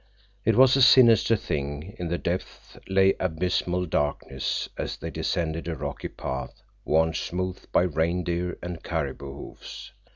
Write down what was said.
It was a sinister thing, and in the depths lay abysmal darkness as they descended a rocky path worn smooth by reindeer and caribou hoofs.